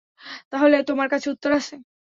তাহলে তোমার কাছে উত্তর আছে?